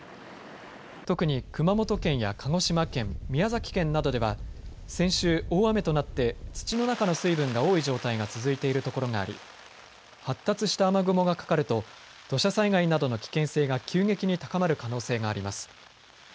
特に熊本県や鹿児島県、宮崎県などでは先週、大雨となって土の中の水分が多い状態が続いている所があり発達した雨雲がかかると土砂災害などの危険性が急激に高まる可能性があります。